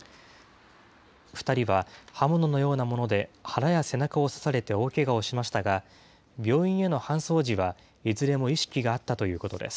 ２人は刃物のようなもので腹や背中を刺されて大けがをしましたが、病院への搬送時はいずれも意識があったということです。